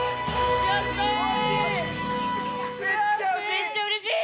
めっちゃうれしい！